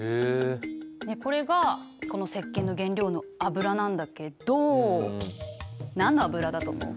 これがこのせっけんの原料の油なんだけど何の油だと思う？